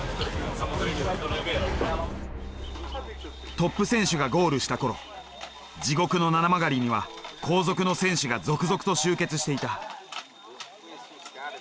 トップ選手がゴールした頃地獄の七曲がりには後続の選手が続々と集結していた。